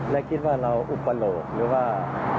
และคิดว่าเราอุปโลกหรือว่า